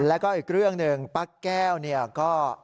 แล้วก็อีกเรื่องหนึ่งป้าแก้วเนี่ยก็